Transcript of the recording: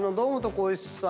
光一さん